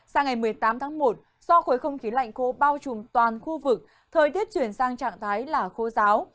sang ngày một mươi tám tháng một do khối không khí lạnh khô bao trùm toàn khu vực thời tiết chuyển sang trạng thái là khô giáo